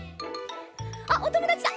あっおともだちだ。